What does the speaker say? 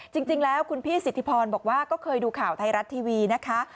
จริงแล้วคุณพี่สิทธิพรบอกว่าก็เคยดูข่าวไทยรัฐทีวีนะคะ